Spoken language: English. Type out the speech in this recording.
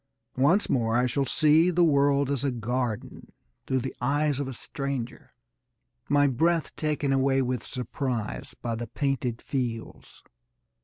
Once more I shall see the world as a garden through the eyes of a stranger, my breath taken away with surprise by the painted fields.